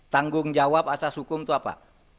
tanggung jawab asas hukum itu apa